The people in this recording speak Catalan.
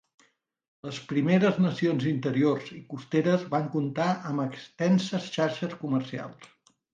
Les Primeres Nacions interiors i costeres van comptar amb extenses xarxes comercials.